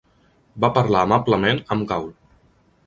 Va parlar amablement amb Gaul.